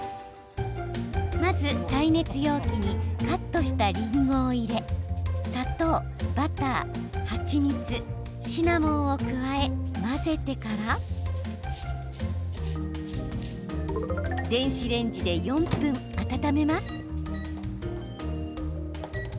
まず耐熱容器にカットした、りんごを入れ砂糖、バター、蜂蜜シナモンを加え混ぜてから電子レンジで４分温めます。